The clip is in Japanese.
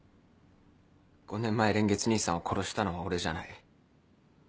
５年前蓮月兄さんを殺したのは俺じゃない。